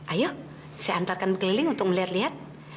ayo saya antarkan keliling untuk melihat lihat